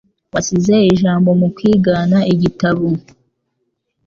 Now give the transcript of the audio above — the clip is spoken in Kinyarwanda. Wasize ijambo mukwigana igitabo